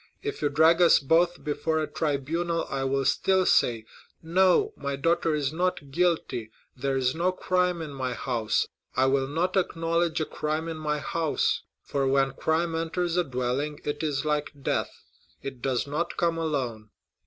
If you drag us both before a tribunal I will still say, 'No, my daughter is not guilty;—there is no crime in my house. I will not acknowledge a crime in my house; for when crime enters a dwelling, it is like death—it does not come alone.